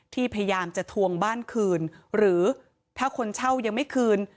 พยายามจะทวงบ้านคืนหรือถ้าคนเช่ายังไม่คืน